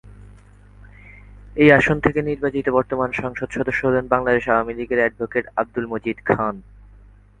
এ আসন থেকে নির্বাচিত বর্তমান সংসদ সদস্য হলেন বাংলাদেশ আওয়ামী লীগের এডভোকেট আব্দুল মজিদ খান।